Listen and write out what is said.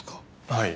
はい。